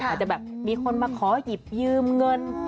อาจจะแบบมีคนมาขอหยิบยืมเงิน